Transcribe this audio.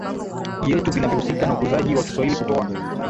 yetu vinavyohusika na ukuzaji wa Kiswahili Kutoa